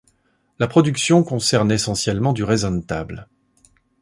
La production concerne essentiellement du raisin de table.